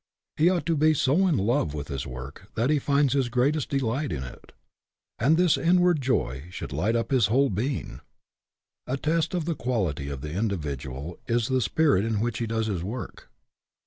He ought to be so in love with his work that he finds his greatest delight in it ; and this inward joy should light up his whole being. A test of the quality of the individual is the spirit in which he does his work.